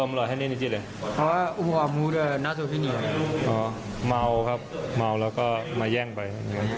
ไม่รู้ว่าก็มาแย่งไป